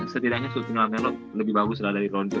setidaknya supin lamelo lebih bagus lah dari lonjo